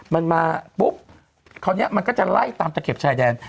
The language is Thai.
มันมาปุ๊บคราวนี้มันก็จะไล่ตามตะเข็บชายแดน